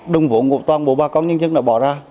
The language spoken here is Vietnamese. đồng vốn của toàn bộ bà con nhân dân đã bỏ ra